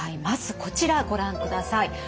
まずこちらご覧ください。